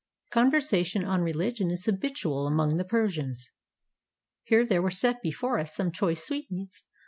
Conversation on religion is habitual among the Persia.ns. Here there were set before us some choice sweetmeats.